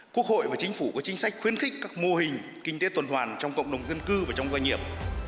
quốc hội và chính phủ có chính sách khuyến khích các mô hình kinh tế tuần hoàn trong cộng đồng dân cư và trong doanh nghiệp